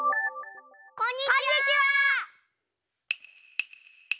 こんにちは！